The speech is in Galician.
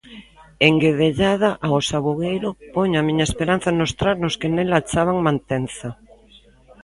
Enguedellada ao sabugueiro, poño a miña esperanza nos trasnos que nel achaban mantenza.